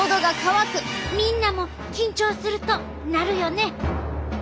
みんなも緊張するとなるよね。